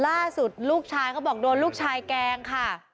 ล่าสุดลูกชายเขาบอกโดนลูกชายแกล้งค่ะ